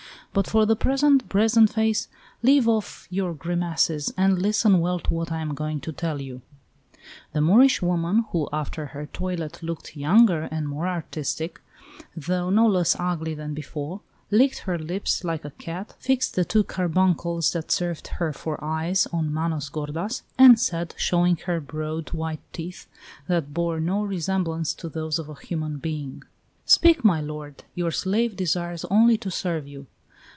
But for the present, brazenface, leave off your grimaces, and listen well to what I am going to tell you." The Moorish woman, who after her toilet looked younger and more artistic, though no less ugly than before, licked her lips like a cat, fixed the two carbuncles that served her for eyes on Manos gordas, and said, showing her broad white teeth, that bore no resemblance to those of a human being: "Speak, my lord, your slave desires only to serve you."